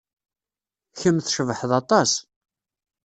Kemm tcebḥeḍ aṭas.